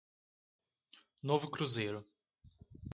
Novo Cruzeiro